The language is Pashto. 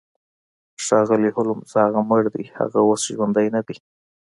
ښاغلی هولمز هغه مړ دی هغه اوس ژوندی ندی